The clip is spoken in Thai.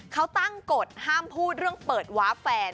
เขาตั้งกฎห้ามพูดเรื่องเปิดวาร์แฟน